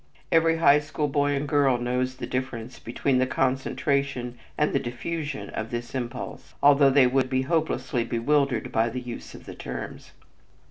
Every high school boy and girl knows the difference between the concentration and the diffusion of this impulse, although they would be hopelessly bewildered by the use of the terms.